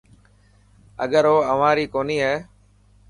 اگر او اوهان ري ڪوني هي.